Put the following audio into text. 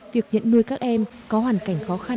việc nhận nuôi các em có hoàn cảnh khó khăn